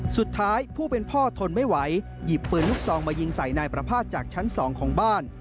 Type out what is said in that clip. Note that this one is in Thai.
สุดท้ายผู้เป็นพ่อทนไม่ไหวหยิบปืนลูกซองมายิงใส่นายประภาษณจากชั้น๒ของบ้าน